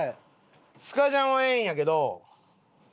スカジャンはええんやけど。